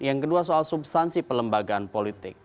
yang kedua soal substansi pelembagaan politik